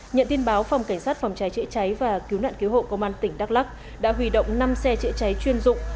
nhận tin báo phòng cảnh sát phòng cháy chế cháy và cứu nạn cứu hộ công an tỉnh đắk lắc đã hủy động năm xe chế cháy chuyên dụng